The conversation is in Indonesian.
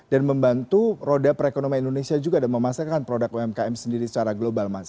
dan membantu roda perekonomian indonesia juga dan memasarkan produk umkm sendiri secara global mas